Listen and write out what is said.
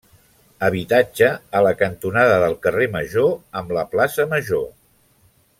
Habitatge a la cantonada del carrer major amb la plaça major.